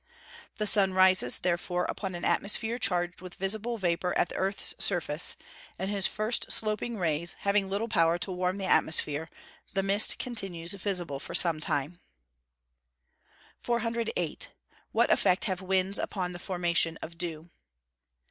The sun rises, therefore, upon an atmosphere charged with visible vapour at the earth's surface, and his first sloping rays, having little power to warm the atmosphere, the mist continues visible for some time. 408. _What effect have winds upon the formation of dew?